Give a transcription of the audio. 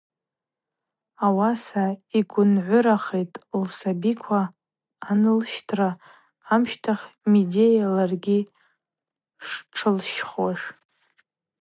Ауаса йгвынгӏвырахитӏ лсабиква анылщра амщтахь Медея ларгьи штшылщхуаш.